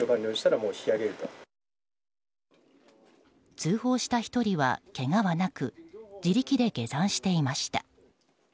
通報した１人はけがはなく自力で下山していました。